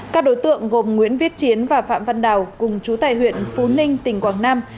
các đối tượng gồm nguyễn viết chiến và phạm văn đào cùng chú tài huyện phú ninh tỉnh quảng nam